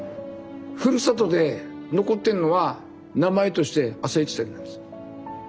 ふるさとで残ってんのは名前として朝市だけなんです。